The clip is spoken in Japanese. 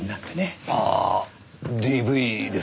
ああＤＶですか？